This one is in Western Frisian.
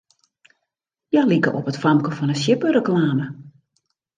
Hja like op it famke fan 'e sjippereklame.